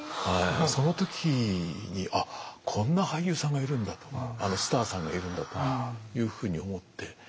その時にあこんな俳優さんがいるんだとあのスターさんがいるんだというふうに思って。